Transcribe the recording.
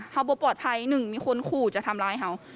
เขาบอกปลอดภัยหนึ่งมีคนขู่จะทำร้ายเขา